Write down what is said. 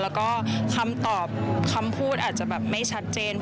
แล้วก็คำตอบคำพูดอาจจะแบบไม่ชัดเจน